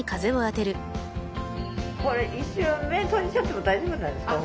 これ一瞬目閉じちゃっても大丈夫なんですか？